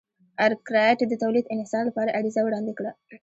ارکرایټ د تولید انحصار لپاره عریضه وړاندې کړه.